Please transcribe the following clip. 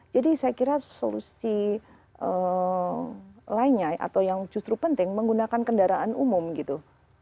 jadi saya kira solusi lainnya atau yang justru penting menggunakan kendaraan umum gitu